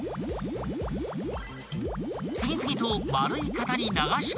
［次々と丸い型に流し込んでいく］